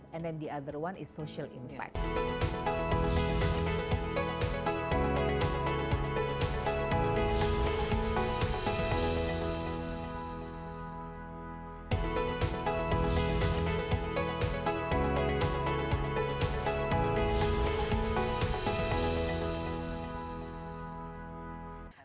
dan yang lainnya adalah social impact